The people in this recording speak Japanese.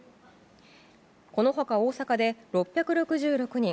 この他、大阪で６６６人